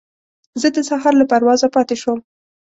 زه د سهار له پروازه پاتې شوم.